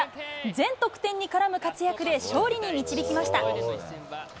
全得点に絡む活躍で、勝利に導きました。